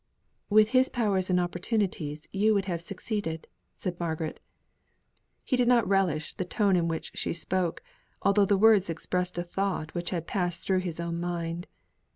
"With his powers and opportunities you would have succeeded," said Margaret. He did not quite relish the tone in which she spoke, although the words but expressed a thought which had passed through his own mind.